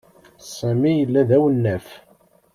Sami yella d awnaf.